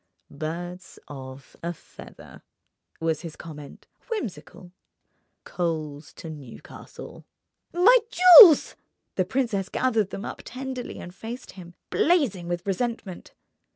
"Birds of a feather," was his comment, whimsical; "coals to Newcastle!" "My jewels!" The princess gathered them up tenderly and faced him, blazing with resentment.